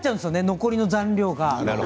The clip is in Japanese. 残りの残量が。